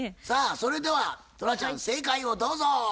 さあそれではトラちゃん正解をどうぞ！